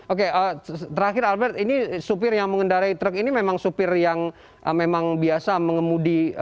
oke terakhir albert ini supir yang mengendarai truk ini memang supir yang memang biasa mengemudi